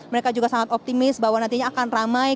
mereka juga sangat optimis bahwa nantinya akan ramai